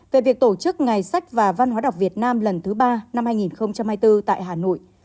về việc tổ chức ngày sách và văn hóa đọc việt nam lần thứ ba năm hai nghìn hai mươi bốn tại hà nội